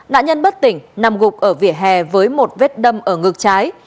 nạn nhân bất tỉnh nằm gục ở vỉa hè với một vết đâm ở ngược trái